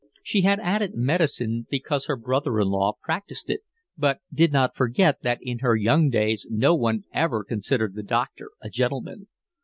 She had added medicine because her brother in law practised it, but did not forget that in her young days no one ever considered the doctor a gentleman.